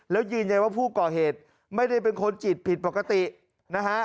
แล้วยืนยันว่าผู้ก่อเหตุไม่ได้เป็นคนจิตผิดปกตินะฮะ